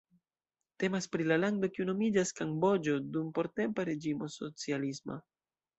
Temas pri la lando kiu nomiĝas Kamboĝo dum portempa reĝimo socialisma.